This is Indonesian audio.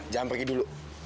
jangan pergi dulu